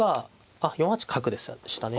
あっ４八角でしたね。